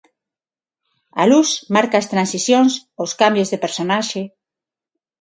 A luz marca as transicións, os cambios de personaxe.